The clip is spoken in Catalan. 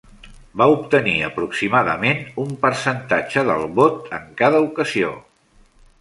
Va obtenir aproximadament un percentatge del vot en cada ocasió.